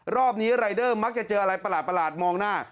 รอบนี้รายเดอร์มักจะเจออะไรประหลาดมองหน้า